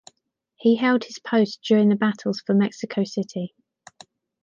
He held this post during the battles for Mexico City.